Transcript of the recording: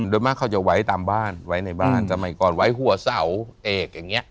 โดยมากเขาจะไว้ตามบ้านไว้ในบ้านสมัยก่อนไว้หัวเสาเอกอย่างนี้